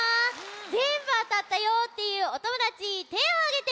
ぜんぶあたったよっていうおともだちてをあげて。